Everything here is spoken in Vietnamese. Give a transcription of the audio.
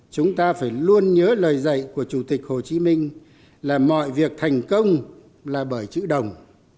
chúng ta phải luôn nhớ lời dạy của chủ tịch hồ chí minh là mọi việc thành công là bởi chữ đồng